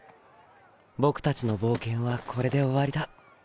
僕たちの冒険はこれで終わりだ。